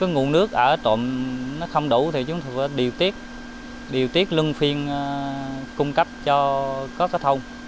nguồn nước ở trộm không đủ thì chúng ta phải điều tiết điều tiết lưng phiên cung cấp cho các thông